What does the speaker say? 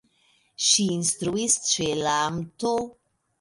Ŝi instruis ĉe la "Mt.